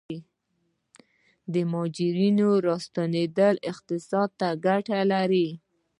د مهاجرینو راستنیدل اقتصاد ته ګټه لري؟